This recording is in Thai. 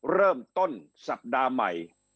เริ่มต้นสัปดาห์ใหม่